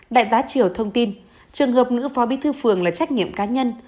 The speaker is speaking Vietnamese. đại tá triều thông tin trường hợp nữ phó bí thư phường là trách nhiệm cá nhân